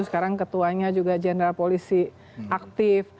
sekarang ketuanya juga general polisi aktif